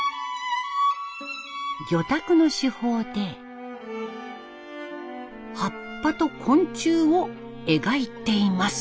魚拓の手法で葉っぱと昆虫を描いています。